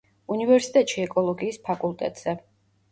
უნივერსიტეტში ეკოლოგიის ფაკულტეტზე.